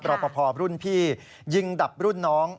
รอปภรุ่นพี่ยิงดับรุ่นน้อง